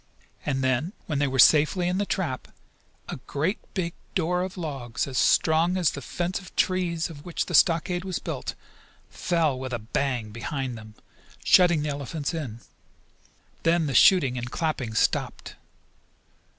And then, when they were safely in the trap, a great big door of logs, as strong as the fence of trees of which the stockade was built, fell with a bang behind them, shutting the elephants in. Then the shooting and clapping stopped.